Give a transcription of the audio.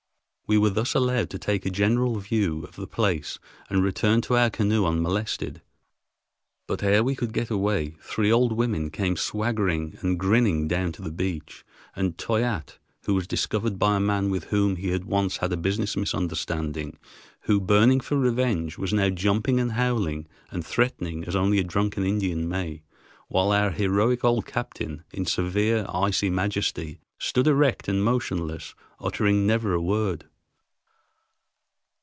We were thus allowed to take a general view of the place and return to our canoe unmolested. But ere we could get away, three old women came swaggering and grinning down to the beach, and Toyatte was discovered by a man with whom he had once had a business misunderstanding, who, burning for revenge, was now jumping and howling and threatening as only a drunken Indian may, while our heroic old captain, in severe icy majesty, stood erect and motionless, uttering never a word.